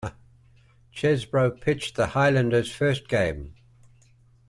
Chesbro pitched the Highlanders' first game.